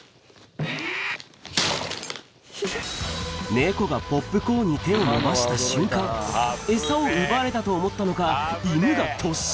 猫がポップコーンに手を伸ばした瞬間、餌を奪われたと思ったのか、犬が突進。